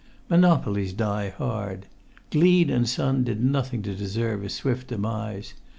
Monopolies die hard. Gleed & Son did nothing to deserve a swift demise.